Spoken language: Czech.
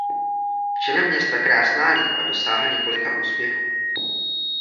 V čele města Krásná Lípa dosáhl několika úspěchů.